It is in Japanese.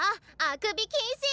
あくび禁止！